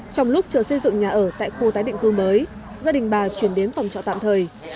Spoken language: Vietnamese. trong lúc chờ xây dựng nhà ở tại khu tái định cư mới gia đình bà chuyển đến phòng trọ tạm thời